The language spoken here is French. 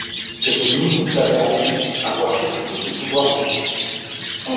Cette nounou s'avère en plus, avoir quelques petits pouvoirs magiques.